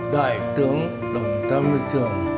đại tướng đồng ba mươi trường